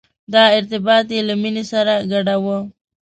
دا ارتباط یې له مینې سره ګډاوه.